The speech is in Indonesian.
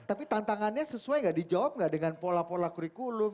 tapi tantangannya sesuai nggak dijawab nggak dengan pola pola kurikulum